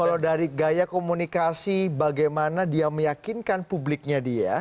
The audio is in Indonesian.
kalau dari gaya komunikasi bagaimana dia meyakinkan publiknya dia